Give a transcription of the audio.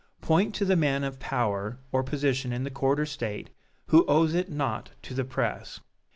Point to the man of power or position in the court or State, who owes it not to the press!